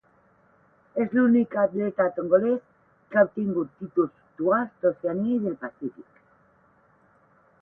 És l'únic atleta tongalès que ha obtingut títols duals d'Oceania i del Pacífic.